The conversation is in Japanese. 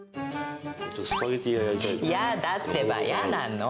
うち、嫌だってば、嫌なの。